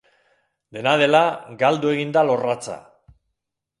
Dena dela, galdu egin da lorratza.